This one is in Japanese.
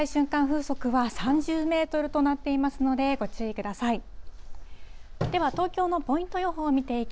風速は３０メートルとなっていますので、ご注意ください。